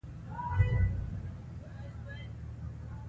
ماشوم باید پوه شي چې ښوونځي خوندي ځای دی.